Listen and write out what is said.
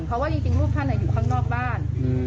เพราะว่าจริงลูกท่านอยู่ข้างนอกบ้าน